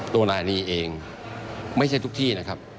ตัวนายลีเองไม่ใช่ทุกที่นะครับ